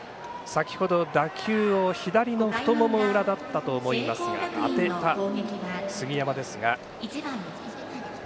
先ほど、打球を左の太もも裏だったと思いますが当てた杉山ですが。